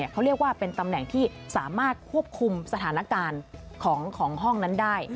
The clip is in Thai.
เขาเรียกว่าเป็นตำแหน่งที่สามารถควบคุมสถานการณ์ของห้องนั้นได้